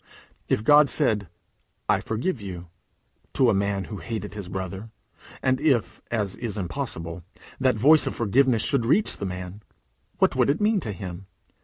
If God said, "I forgive you," to a man who hated his brother, and if (as is impossible) that voice of forgiveness should reach the man, what would it mean to him?